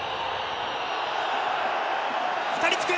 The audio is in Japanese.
２人つく！